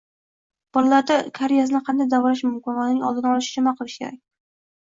Bolalarda kariyesni qanday davolash mumkin va uning oldini olish uchun nima qilish kerak?